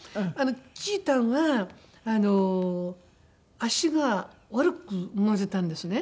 ちーたんはあの脚が悪く生まれたんですね。